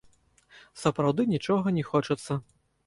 Сапраўды нічога не хочацца.